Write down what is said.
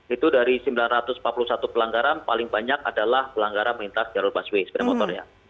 itu dari sembilan ratus empat puluh satu pelanggaran paling banyak adalah pelanggaran melintas jalur busway sepeda motornya